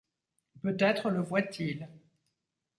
Peut-être le voit-il